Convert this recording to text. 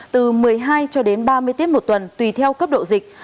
từ một mươi hai cho đến ba mươi tiết một tuần tùy theo cấp độ dịch